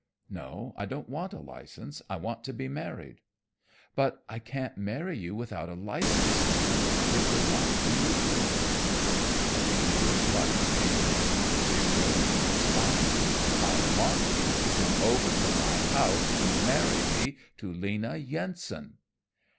"No, I don't want a license. I want to be married." "But I can't marry you without a license, man. It would not be legal." A dangerous light came in the big Norwegian's eye. "I want you to come over to my house to marry me to Lena Yensen."